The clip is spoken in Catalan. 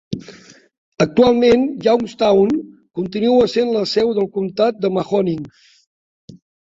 Actualment, Youngstown continua sent la seu del comtat de Mahoning.